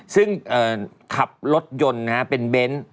ซึ่งขับรถยนต์เป็นเบนท์